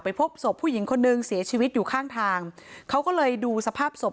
พบศพผู้หญิงคนนึงเสียชีวิตอยู่ข้างทางเขาก็เลยดูสภาพศพ